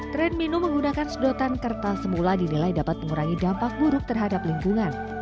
tren minum menggunakan sedotan kertas semula dinilai dapat mengurangi dampak buruk terhadap lingkungan